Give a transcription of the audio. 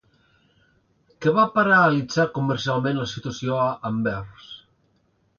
Què va paralitzar comercialment la situació a Anvers?